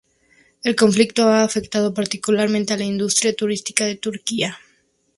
El conflicto ha afectado particularmente a la industria turística de Turquía.